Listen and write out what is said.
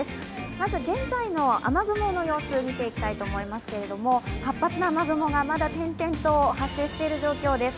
まず現在の雨雲の様子を見ていきたいと思いますけども、活発な雨雲がまだ転々と発生している状況です。